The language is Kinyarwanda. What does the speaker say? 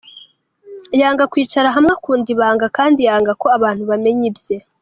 Yanga kwicara hamwe, akunda ibanga kandi yanga ko abantu bamenya ibye.